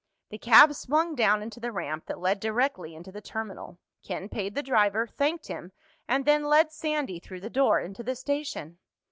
The cab swung down into the ramp that led directly into the terminal. Ken paid the driver, thanked him, and then led Sandy through the door into the station.